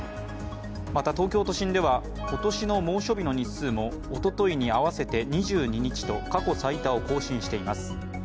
また東京都心では、今年の猛暑日の日数もおとといに合わせて２２日と過去最多を更新しています。